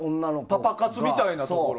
パパ活みたいなこと？